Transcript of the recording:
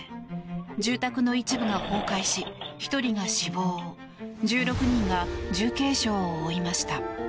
住宅の一部が崩壊し１人が死亡１６人が重軽傷を負いました。